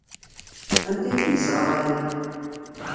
Anta ay k-yessɣarayen?